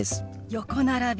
横並び。